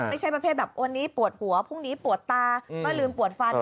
ไม่ใช่ประเภทแบบวันนี้ปวดหัวพรุ่งนี้ปวดตาไม่ลืมปวดฟัน